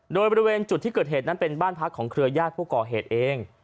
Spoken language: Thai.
โดยบริเวณจุดที่เกิดเหตุนั้นเป็นบ้านพักของเครือญาติผู้ก่อเหตุเอง